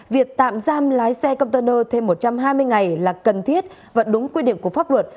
việc tạm giam lái xe container thêm một trăm hai mươi ngày là cần thiết và đúng quy định của pháp luật